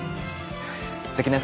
関根さん